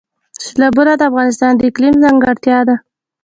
سیلابونه د افغانستان د اقلیم ځانګړتیا ده.